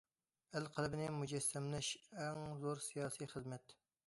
ئەل قەلبىنى مۇجەسسەملەش ئەڭ زور سىياسىي خىزمەت.